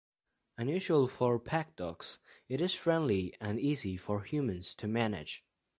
Unusual for pack dogs, it is friendly and easy for humans to manage.